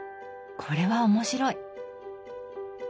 これは面白い！